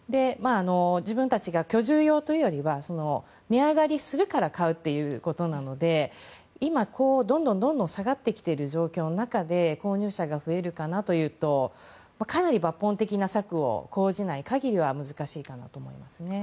自分たちが居住用というよりは値上がりするから買うということなので今、どんどん下がってきている状況の中で購入者が増えるかなというとかなり抜本的な策を講じない限りは難しいかなと思いますね。